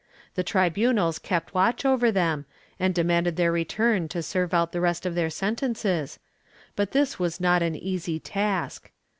The tribunals kept watch over them, and demanded their return to serve out the rest of their sentences, but this was not an easy task.